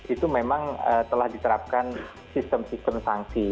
itu memang telah diterapkan sistem sistem sanksi